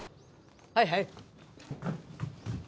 はいはい。